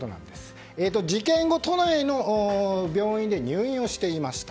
事件後、都内の病院で入院をしていました。